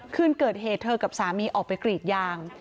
คืนเกิดเหตุเธอกับสามีออกไปกรีดยาง